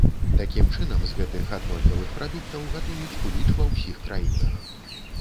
Такім чынам з гэтых аднолькавых прадуктаў гатуюць куліч ва ўсіх краінах.